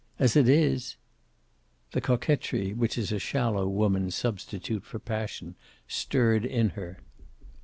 As it is " The coquetry which is a shallow woman's substitute for passion stirred in her.